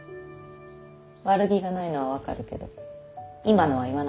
悪気がないのは分かるけど今のは言わなくていいこと。